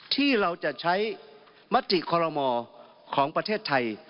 ที่เราจะใช้มติคอรมอของประเทศไทย